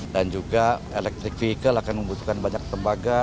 dan juga elektrik vehicle akan membutuhkan banyak tembaga